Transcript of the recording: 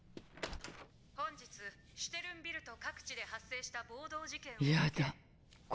「本日シュテルンビルト各地で発生した暴動事件を受けやだ怖いわねぇ。